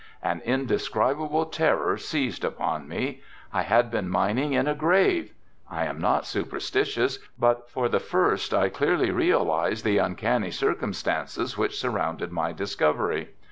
An indescribable terror seized upon me. I had been mining in a grave. I am not superstitious but for the first I clearly realized the uncanny circumstances which surrounded my discovery.